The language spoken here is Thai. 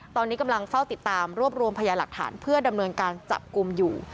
ตอนนี้กำลังเฝ้าติดตามรวบรวมพยาหลักฐานเพื่อดำเนินการจับกลุ่มอยู่